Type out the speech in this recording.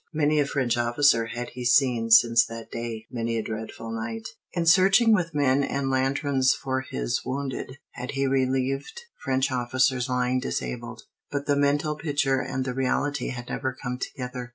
Many a French officer had he seen since that day; many a dreadful night, in searching with men and lanterns for his wounded, had he relieved French officers lying disabled; but the mental picture and the reality had never come together.